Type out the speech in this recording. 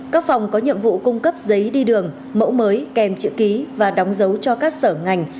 các phòng có nhiệm vụ cung cấp giấy đi đường mẫu mới kèm chữ ký và đóng dấu cho các sở ngành